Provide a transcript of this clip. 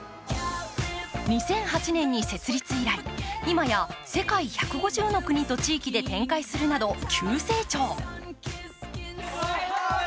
２００８年に設立以来、今や世界１５０の国と地域で展開するなど急成長。